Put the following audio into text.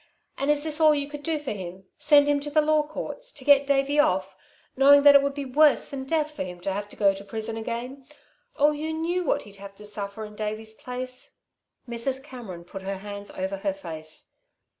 And is this all you could do for him, send him to the Law Courts to get Davey off, knowing that it would be worse than death to him to have to go to prison again? Oh, you knew what he'd have to suffer in Davey's place...." Mrs. Cameron put her hands over her face.